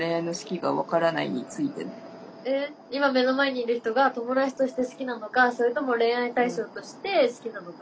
えっ今目の前にいる人が友達として好きなのかそれとも恋愛対象として好きなのか。